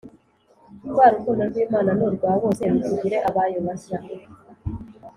rwa rukundo rw’imana n’urwabose rutugire abayo bashya